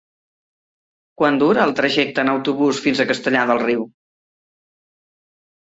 Quant dura el trajecte en autobús fins a Castellar del Riu?